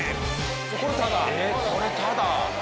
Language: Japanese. これタダ。